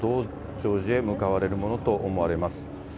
増上寺へ向かわれるものと思われます。